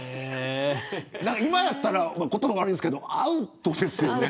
今だったら言葉悪いですけどアウトですよね。